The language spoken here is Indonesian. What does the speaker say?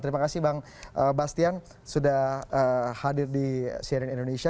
terima kasih bang sebastian sudah hadir di sianin indonesia